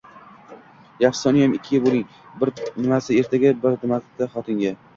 Yaxshisi, uniyam ikkiga bo’ling! Bir nimtasi-erga! Bir nimtasi xotinga!